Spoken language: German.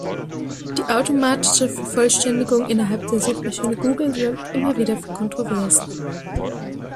Die automatische Vervollständigung innerhalb der Suchmaschine Google sorgt immer wieder für Kontroversen.